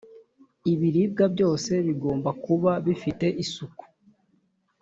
ibiribwa byose bigomba kuba bifite isuku